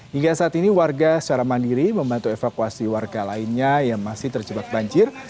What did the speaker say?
hingga saat ini warga secara mandiri membantu evakuasi warga lainnya yang masih terjebak banjir